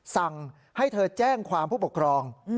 สั่งให้เธอแจ้งความผู้ปกครอง